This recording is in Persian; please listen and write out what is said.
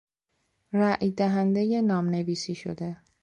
رایدهندهی نام نویسی شده